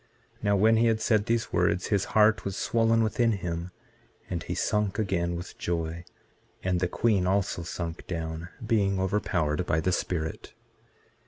Now, when he had said these words, his heart was swollen within him, and he sunk again with joy; and the queen also sunk down, being overpowered by the Spirit.